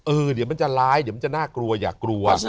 เดี๋ยวมันจะร้ายเดี๋ยวมันจะน่ากลัวอย่ากลัว